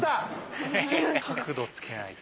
角度つけないと。